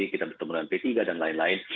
kita bertemu dengan p tiga dan lain lain